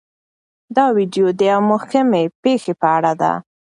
دا ویډیو د یوې مهمې پېښې په اړه ده.